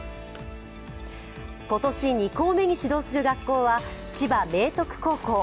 今年、２校目に指導する学校は千葉明徳高校。